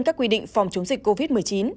các quy định phòng chống dịch covid một mươi chín